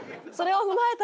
踏まえた？